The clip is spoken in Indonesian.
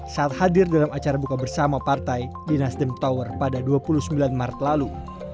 saat hadir dalam acara buka bersama partai di nasdem tower pada dua puluh sembilan maret lalu